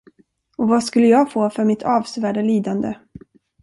Och vad skulle jag få för mitt avsevärda lidande?